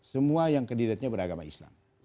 semua yang kandidatnya beragama islam